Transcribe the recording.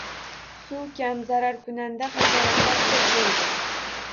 Suv kam, zararkunanda hasharotlar koʻp boʻldi.